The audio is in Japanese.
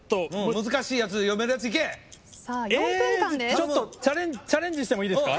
ちょっとチャレンジしてもいいですか？